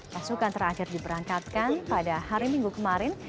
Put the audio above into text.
pasukan terakhir diberangkatkan pada hari minggu kemarin